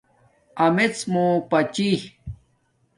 امیڎ مُو پاڅی